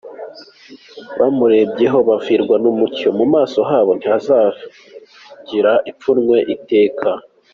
Bamurebyeho bavirwa n’umucyo, Mu maso habo ntihazagira ipfunwe iteka.